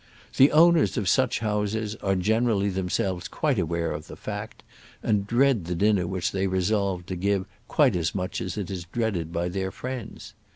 The owners of such houses are generally themselves quite aware of the fact, and dread the dinner which they resolved to give quite as much as it is dreaded by their friends.